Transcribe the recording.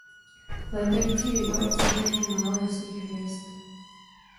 Létající ryba obsahuje jen málo jasných hvězd.